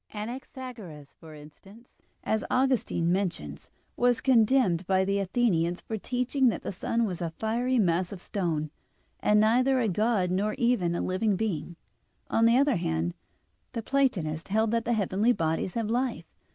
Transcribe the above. Anaxagoras, for instance, as Augustine mentions (De Civ. Dei xviii, 41), "was condemned by the Athenians for teaching that the sun was a fiery mass of stone, and neither a god nor even a living being." On the other hand, the Platonists held that the heavenly bodies have life.